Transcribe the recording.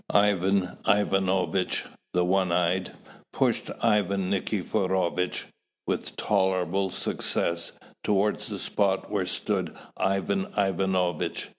Ivan Ivanovitch, the one eyed, pushed Ivan Nikiforovitch, with tolerable success, towards the spot where stood Ivan Ivanovitch.